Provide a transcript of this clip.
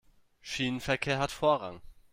Schienenverkehr hat Vorrang.